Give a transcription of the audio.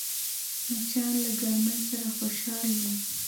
مچان له ګرمۍ سره خوشحال وي